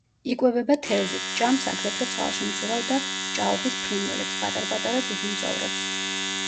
იკვებება თევზით, ჭამს აგრეთვე წყალში მცურავ და ჭაობის ფრინველებს, პატარ-პატარა ძუძუმწოვრებს.